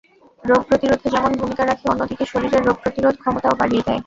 রোগ প্রতিরোধে যেমন ভূমিকা রাখে, অন্যদিকে শরীরের রোগ প্রতিরোধক্ষমতাও বাড়িয়ে দেয়।